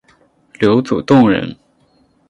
刘祖洞人。